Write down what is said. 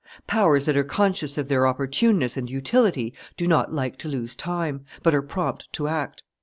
] Powers that are conscious of their opportuneness and utility do not like to lose time, but are prompt to act.